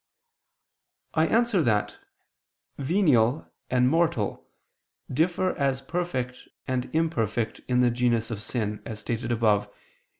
I answer that, Venial and mortal differ as perfect and imperfect in the genus of sin, as stated above (A.